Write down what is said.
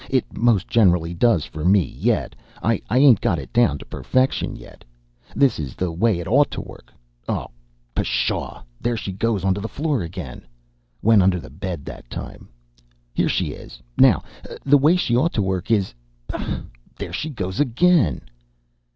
"It most generally does for me, yet. I ain't got it down to perfection yet. This is the way it ought to work oh, pshaw! there she goes onto the floor again! Went under the bed that time. Here she is! Now, the way she ought to work is there she goes again!"